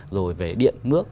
rồi về điện nước